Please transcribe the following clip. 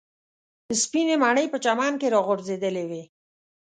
سپینې مڼې په چمن کې راغورځېدلې وې.